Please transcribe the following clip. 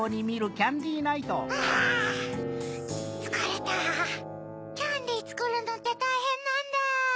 キャンディーつくるのってたいへんなんだ。